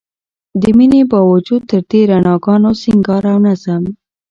د مينې باوجود تر دې رڼاګانو، سينګار او نظم